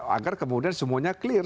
agar kemudian semuanya clear